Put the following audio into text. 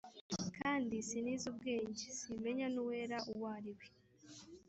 kandi sinize ubwenge, simenya n’uwera uwo ari we